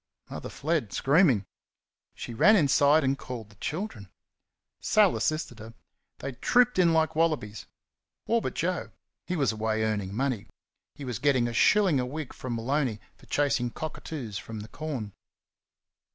Mother fled, screaming. She ran inside and called the children. Sal assisted her. They trooped in like wallabies all but Joe. He was away earning money. He was getting a shilling a week from Maloney, for chasing cockatoos from the corn.